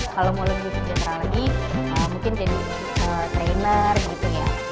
kalau mau lebih sejahtera lagi mungkin jadi trainer gitu ya